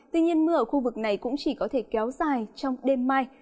tuy nhiên mưa ở khu vực này cũng chỉ có thể kéo dài trong đêm mai